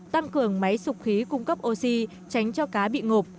tăng cường máy sụp khí cung cấp oxy tránh cho cá bị ngộp